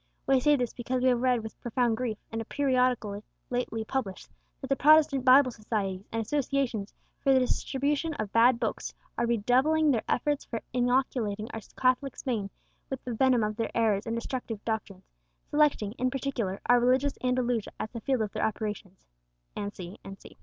We say this, because we have read with profound grief, in a periodical lately published, that the Protestant Bible Societies and Associations for the distribution of bad books are redoubling their efforts for inoculating our Catholic Spain with the venom of their errors and destructive doctrines, selecting, in particular, our religious Andalusia as the field of their operations," &c. &c.